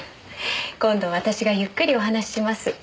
今度私がゆっくりお話しします。